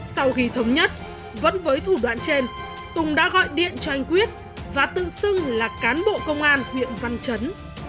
sau khi thống nhất vẫn với thủ đoạn trên tùng đã gọi điện cho anh quyết và tự xưng là cán bộ công an huyện văn chấn